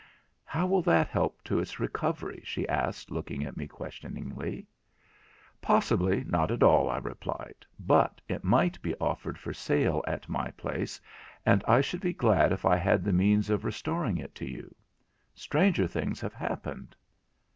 'How will that help to its recovery?' she asked, looking at me questioningly. 'Possibly not at all,' I replied; 'but it might be offered for sale at my place, and I should be glad if I had the means of restoring it to you. Stranger things have happened.'